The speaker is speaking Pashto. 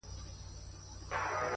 نن بيا د هغې نامه په جار نارې وهلې چي ـ